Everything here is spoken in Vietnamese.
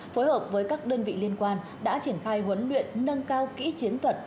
phối hợp với các đơn vị liên quan đã triển khai huấn luyện nâng cao kỹ chiến thuật